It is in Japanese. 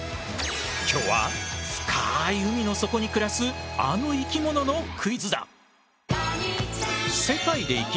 今日は深い海の底に暮らすあの生き物のクイズだ！